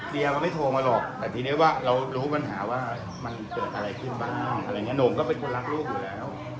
เพื่อให้มีความคิดโตแล้วเขาก็อย่าไปทำอะไรที่เขาเรียนมาในสาขางักชีพของเขาเลย